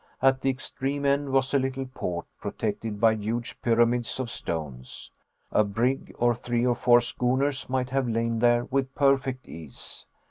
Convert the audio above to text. At the extreme end was a little port protected by huge pyramids of stones. A brig and three or four schooners might have lain there with perfect ease.